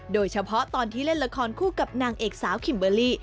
โดยเฉพาะตอนที่เล่นละครคู่กับนางเอกสาวคิมเบอร์รี่